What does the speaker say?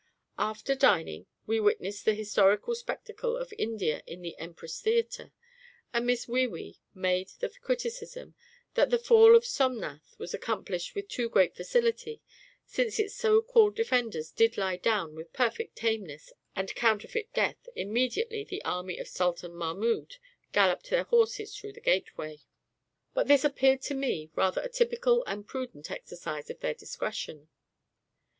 After dining, we witnessed the Historical Spectacle of India in the Empress Theatre, and Miss WEE WEE made the criticism that the fall of Somnath was accomplished with a too great facility, since its so called defenders did lie down with perfect tameness and counterfeit death immediately the army of Sultan MAHMUD galloped their horses through the gateway. But this appeared to me rather a typical and prudent exercise of their discretion.